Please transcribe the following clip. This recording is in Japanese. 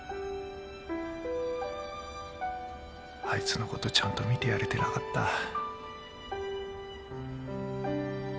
あいつのことちゃんと見てやれてなかった。